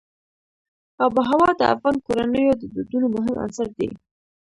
آب وهوا د افغان کورنیو د دودونو مهم عنصر دی.